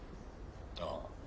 ああ。